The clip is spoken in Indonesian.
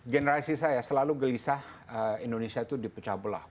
generasi saya selalu gelisah indonesia itu di pecah belah